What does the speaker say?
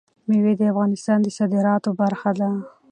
مېوې د افغانستان د صادراتو برخه ده.